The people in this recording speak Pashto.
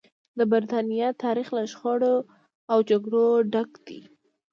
د برېټانیا تاریخ له شخړو او جګړو ډک دی.